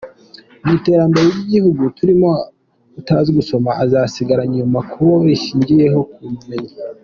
Mu iterambere ry’Igihugu turimo utazi gusoma azasigara inyuma kuko rishingiye ku bumenyi”.